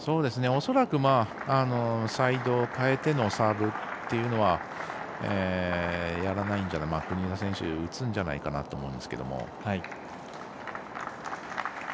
恐らく、サイドを変えてのサーブっていうのはやらない国枝選手が打つんじゃないかなと思うんですけれども。